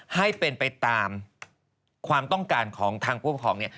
ให้เป็นไปตามความต้องการของทางผู้ปกครองเนี่ย